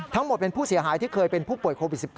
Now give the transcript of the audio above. ทั้งหมดเป็นผู้เสียหายที่เคยเป็นผู้ป่วยโควิด๑๙